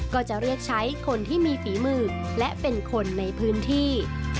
ก็จะเรียกใช้คนที่มีฝีมือและเป็นคนในพื้นที่